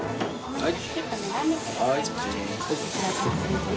はい。